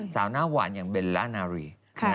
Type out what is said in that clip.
สาวหน้าหวานอย่างเบลล่านารี